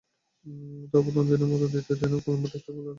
তবে প্রথম দিনের মতো দ্বিতীয় দিনও কলম্বো টেস্টে বোলাররা দাপট দেখিয়েছেন।